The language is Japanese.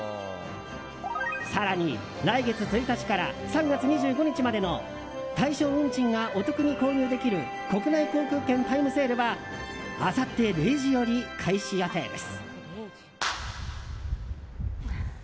更に、来月１日から３月２５日までの対象運賃がお得に購入できる国内航空券タイムセールはあさって０時より開始予定です。